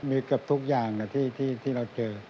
มีเกือบทุกอย่างที่เราเจอ